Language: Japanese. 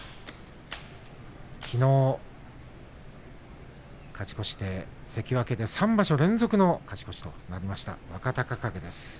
きのう勝ち越して関脇で３場所連続の勝ち越しとなりました若隆景です。